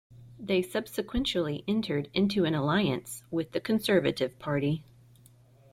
They subsequently entered into an alliance with the Conservative Party.